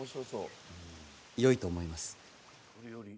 よいと思います。